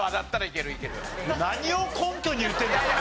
何を根拠に言ってるんだろうね